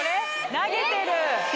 投げてる。